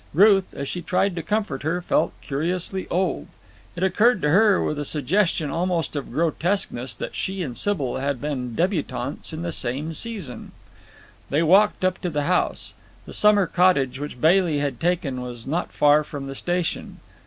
Ruth, as she tried to comfort her, felt curiously old. It occurred to her with a suggestion almost of grotesqueness that she and Sybil had been debutantes in the same season. They walked up to the house. The summer cottage which Bailey had taken was not far from the station.